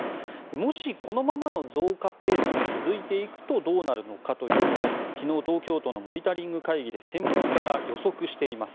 もし、このままの増加ペースが続いていくとどうなるのかというのを昨日、東京都のモニタリング会議で専門家が予測しています。